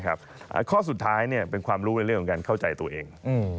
ข้อสุดท้ายเป็นความรู้ในเรื่องของการเข้าใจตัวเอง